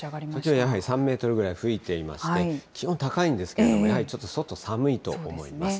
やはり３メートルぐらい吹いていまして、気温高いんですけれども、やはりちょっと外、寒いと思います。